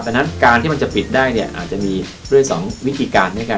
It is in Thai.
ดังนั้นการที่มันจะปิดได้เนี่ยอาจจะมีด้วย๒วิธีการด้วยกัน